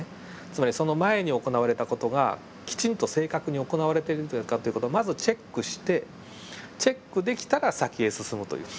つまりその前に行われた事がきちんと正確に行われているかっていう事をまずチェックしてチェックできたら先へ進むという。